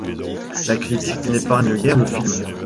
La critique n'épargne guère le film.